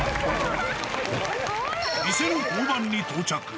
偽の交番に到着。